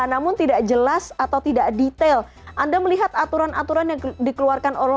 namun tidak jelas atau tidak detail anda melihat aturan aturan yang dikeluarkan